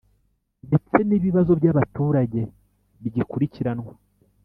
ndetse n’ibibazo by’abaturage bigikurikiranwa